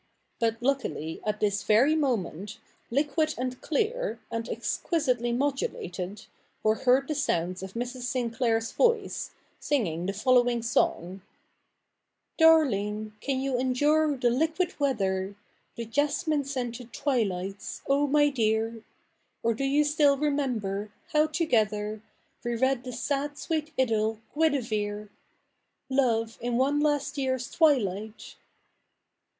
But luckily at this very moment, liquid and clear, and exquisitely modulated, were heard the sounds of Mrs. Sinclair's voice, singing the following song :— 66 THE NEW REPUBLIC [p.k. i Darlings can you eiidu)'e the liquid weather. The jasDiiiie scented tivilights, oh viy dear? Or do you still remember hoiu together We read the sad sweet Idyll ' Guinevere^'' Love, in one last year's twilight